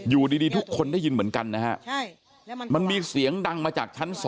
อยู่ดีทุกคนได้ยินเหมือนกันนะฮะมันมีเสียงดังมาจากชั้น๒